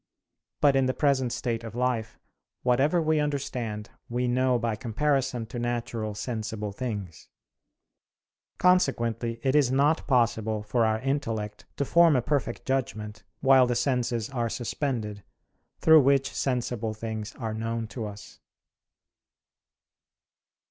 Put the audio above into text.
But in the present state of life whatever we understand, we know by comparison to natural sensible things. Consequently it is not possible for our intellect to form a perfect judgment, while the senses are suspended, through which sensible things are known to us.